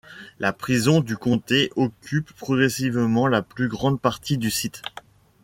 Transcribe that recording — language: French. La prison du comté occupe progressivement la plus grande partie du site.